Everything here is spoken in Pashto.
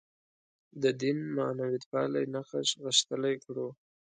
د دین معنویتپالی نقش غښتلی کړو.